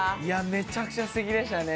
めちゃくちゃすてきでしたね！